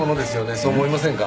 そう思いませんか？